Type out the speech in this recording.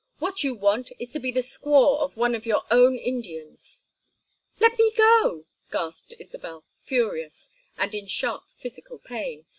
"What you want is to be the squaw of one of your own Indians!" "Let me go!" gasped Isabel, furious, and in sharp physical pain.